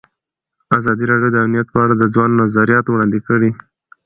ازادي راډیو د امنیت په اړه د ځوانانو نظریات وړاندې کړي.